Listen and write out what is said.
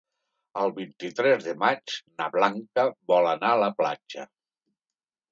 El vint-i-tres de maig na Blanca vol anar a la platja.